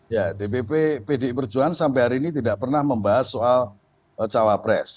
ya dpp pdi perjuangan sampai hari ini tidak pernah membahas soal cawapres